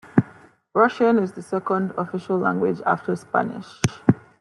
Russian is the second official language after Spanish.